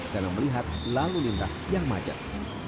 karena melihat lalu lintas yang macet